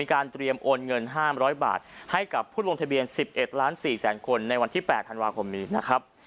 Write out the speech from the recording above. เตรียมโอนเงิน๕๐๐บาทให้กับผู้ลงทะเบียน๑๑ล้าน๔แสนคนในวันที่๘ธันวาคมนี้นะครับ